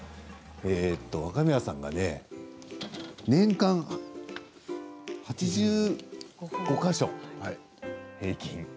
若宮さんが年間８５か所、平均で。